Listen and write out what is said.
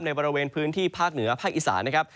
บริเวณพื้นที่ภาคเหนือภาคอีสานนะครับ